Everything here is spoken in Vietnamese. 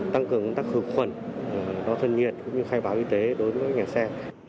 tăng cường các khuẩu khuẩn đo thân nhiệt khai báo y tế đối với các nhà xe